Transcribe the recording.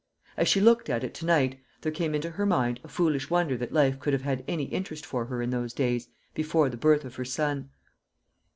As she looked at it to night, there came into her mind a foolish wonder that life could have had any interest for her in those days, before the birth of her son.